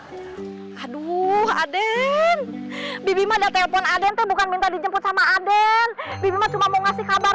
aja aduh aden bibim ada telepon adente bukan minta dijemput sama aden bimbing cuma mau ngasih kabar